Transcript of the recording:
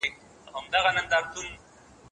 تاسي ولي هیڅ چيري نه ځئ؟